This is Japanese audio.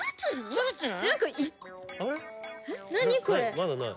まだない。